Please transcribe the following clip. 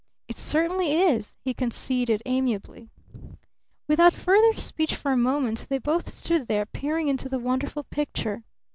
"It certainly is!" he conceded amiably. Without further speech for a moment they both stood there peering into the wonderful picture.